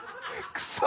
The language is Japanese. クソ！